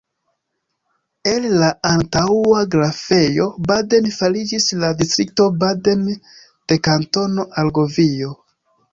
El la antaŭa Grafejo Baden fariĝis la distrikto Baden de Kantono Argovio.